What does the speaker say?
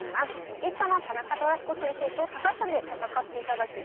ゲストの田中寅彦先生と高橋さんで戦っていただきます。